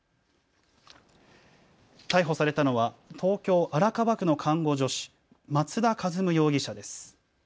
逮捕されたのは東京荒川区の看護助手、松田一夢容疑者です。